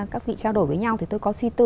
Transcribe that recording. các vị trao đổi với nhau thì tôi có suy tư